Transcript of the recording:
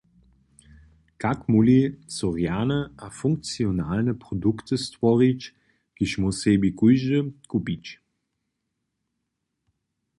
Kak móhli so rjane a funkcionelne produkty stworić, kiž móhł sebi kóždy kupić?